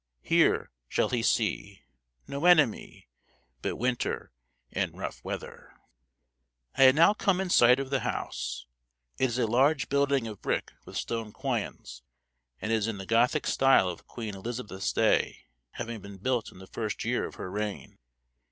Here shall he see No enemy, But winter and rough weather. I had now come in sight of the house. It is a large building of brick with stone quoins, and is in the Gothic style of Queen Elizabeth's day, having been built in the first year of her reign.